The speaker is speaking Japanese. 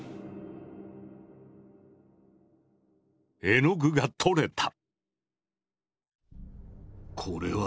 絵の具が取れた。